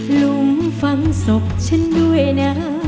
หลุมฝังศพฉันด้วยนะ